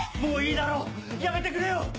もういいだろうやめてくれよ！